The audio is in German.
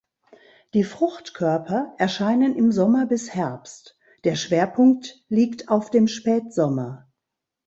Die Fruchtkörper erscheinen im Sommer bis Herbst; der Schwerpunkt liegt auf dem Spätsommer.